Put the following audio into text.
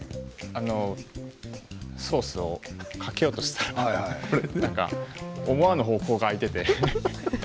あのソースをかけようとしたら思わぬ方向が開いていて。